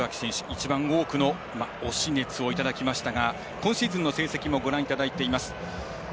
一番多くの推し熱をいただきましたが今シーズンの成績もご覧いただいています。